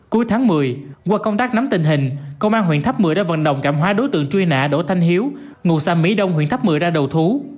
cuối tháng một mươi qua công tác nắm tình hình công an huyện tháp một mươi đã vận động cảm hóa đối tượng truy nã đỗ thanh hiếu ngụ xã mỹ đông huyện tháp một mươi ra đầu thú